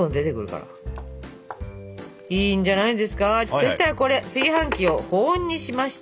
そしたらこれ炊飯器を保温にしまして。